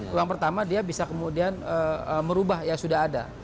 ruang pertama dia bisa kemudian merubah yang sudah ada